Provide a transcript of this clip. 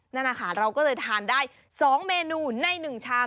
นั่นนะคะเราก็เลยทานได้๒เมนูใน๑ชาม